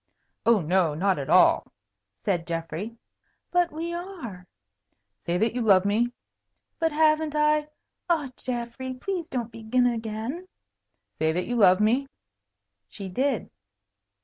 "Oh, no, not at all," said Geoffrey. "But we are." "Say that you love me." "But haven't I ah, Geoffrey, please don't begin again." "Say that you love me." She did.